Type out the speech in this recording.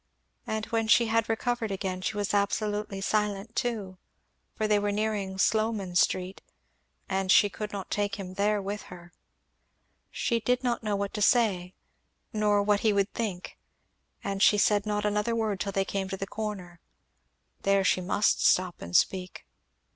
And when she had recovered again she was absolutely silent too, for they were nearing Sloman street and she could not take him there with her. She did not know what to say, nor what he would think; and she said not another word till they came to the corner. There she must stop and speak.